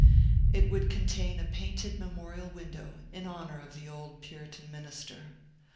It would contain a painted memorial window, in honor of the old Puritan minister.